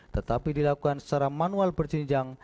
tetapi dilakukan secara manual berjinjang